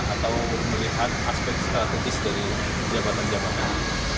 atau melihat aspek strategis dari jabatan jabatan